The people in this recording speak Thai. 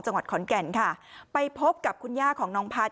จังหวัดขอนแก่นค่ะไปพบกับคุณย่าของน้องพัฒน